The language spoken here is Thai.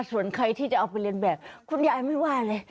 ส่วนใครที่จะเอาไปเรียนแบบคุณยายไม่ว่าเลย